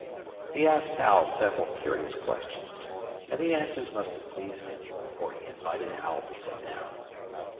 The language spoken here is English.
He asked Hal several curious questions, and the answers must have pleased him, for he invited Hal to sit down.